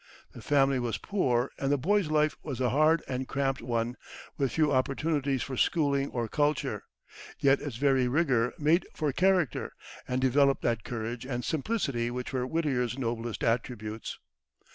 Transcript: The family was poor, and the boy's life was a hard and cramped one, with few opportunities for schooling or culture; yet its very rigor made for character, and developed that courage and simplicity which were Whittier's noblest attributes.